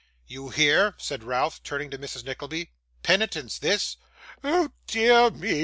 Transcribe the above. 'You hear?' said Ralph, turning to Mrs. Nickleby. 'Penitence, this!' 'Oh dear me!